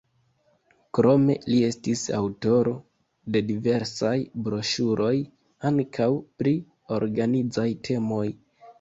Krome li estis aŭtoro de diversaj broŝuroj, ankaŭ pri organizaj temoj.